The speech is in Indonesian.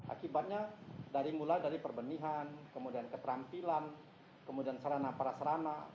akibatnya dari mula dari perbenihan kemudian keterampilan kemudian serana parasrana